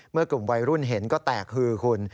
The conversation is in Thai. เมื่อกลุ่มวัยรุ่นเห็นก็แตกฮือคุณ